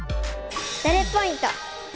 ダレッポイント。